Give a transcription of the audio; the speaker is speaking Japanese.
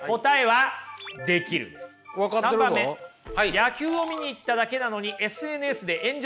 ３番目野球を見に行っただけなのにＳＮＳで炎上した。